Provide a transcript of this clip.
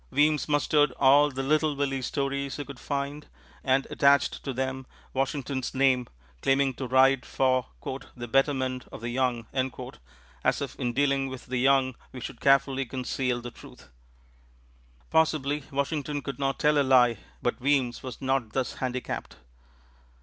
Weems mustered all the "Little Willie" stories he could find, and attached to them Washington's name, claiming to write for "the Betterment of the Young," as if in dealing with the young we should carefully conceal the truth. Possibly Washington could not tell a lie, but Weems was not thus handicapped.